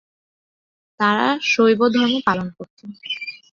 তাঁরা শৈবধর্ম পালন করতেন।